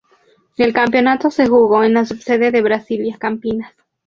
El campeonato se jugó en la subsede de Brasilia, Campinas.